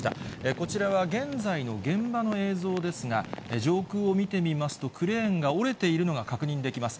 こちらは現在の現場の映像ですが、上空を見てみますと、クレーンが折れているのが確認できます。